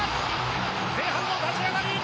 前半の立ち上がり。